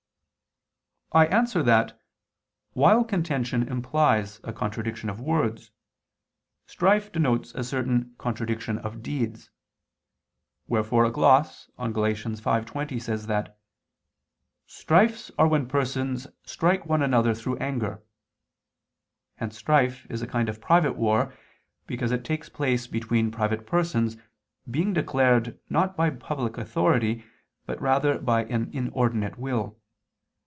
I answer that, While contention implies a contradiction of words, strife denotes a certain contradiction of deeds. Wherefore a gloss on Gal. 5:20 says that "strifes are when persons strike one another through anger." Hence strife is a kind of private war, because it takes place between private persons, being declared not by public authority, but rather by an inordinate will.